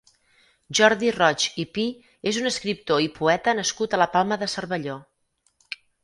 Jordi Roig i Pi és un escriptor i poeta nascut a la Palma de Cervelló.